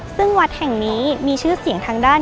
ซึ่งวัดแห่งนี้มีชื่อเสียงทางด้าน